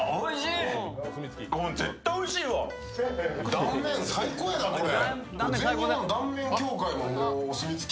断面、最高やな、これ。